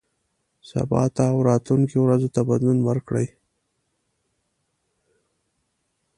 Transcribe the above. سبا ته او راتلونکو ورځو ته بدلون ورکړئ.